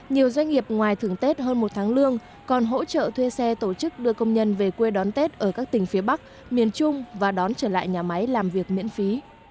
nhiều doanh nghiệp ngoài thưởng tết hơn một tháng lương còn hỗ trợ thuê xe tổ chức đưa công nhân về quê đón tết ở các tỉnh phía bắc miền trung và đón trở lại nhà máy làm việc miễn phí